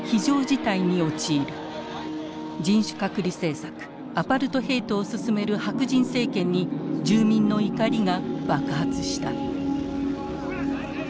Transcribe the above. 人種隔離政策アパルトヘイトを進める白人政権に住民の怒りが爆発した。